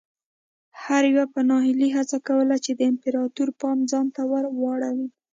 هر یوه په ناهیلۍ هڅه کوله چې د امپراتور پام ځان ته ور واړوي.